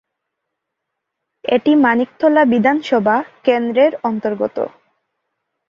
এটি মানিকতলা বিধানসভা কেন্দ্রের অন্তর্গত।